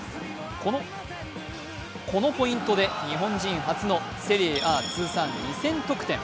このポイントで日本人初のセリエＡ通算２０００得点。